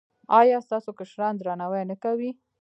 ایا ستاسو کشران درناوی نه کوي؟